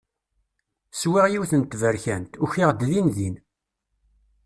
Swiɣ yiwet n tberkant, ukiɣ-d din din.